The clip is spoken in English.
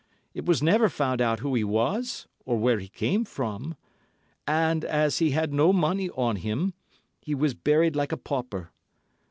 It was never found out who he was or where he came from, and, as he had no money on him, he was buried like a pauper.